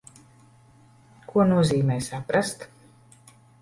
Ko nozīmē saprast?